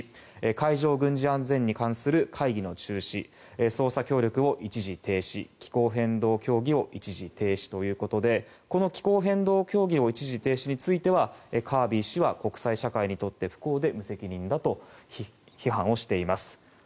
海上軍事安全に関する会議の中止捜査協力を一時停止気候変動協議を一時停止ということで気候変動協議を一時停止についてはカービー氏は国際社会にとって不幸で無責任だと批判しています。